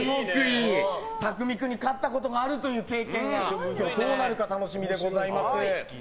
たくみ君に勝ったことがあるという経験がどうなるか楽しみでございます。